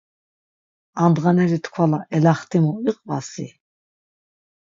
Andğaneri tkvala 'elaxtimu' iqvasi?.